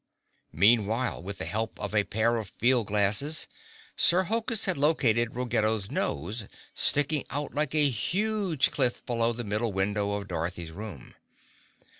Meanwhile, with the help of a pair of field glasses, Sir Hokus had located Ruggedo's nose, sticking out like a huge cliff below the middle window of Dorothy's room.